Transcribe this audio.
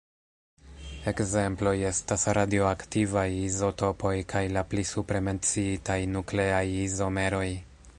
Ekzemploj estas radioaktivaj izotopoj kaj la pli supre menciitaj nukleaj izomeroj.